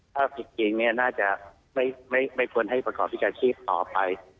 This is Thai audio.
ถ้าปฤติกิงนี้น่าจะไม่ควรให้ประกอบพิกัติชีพต่อไป